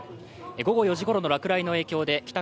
午後４時ごろの落雷の影響で帰宅